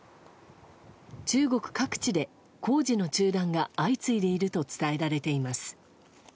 中国各地で工事の中断が相次いでいると伝えられています。